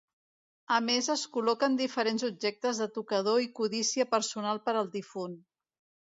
A més es col·loquen diferents objectes de tocador i condícia personal per al difunt.